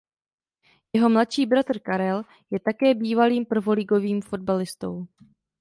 Jeho mladší bratr Karel je také bývalým prvoligovým fotbalistou.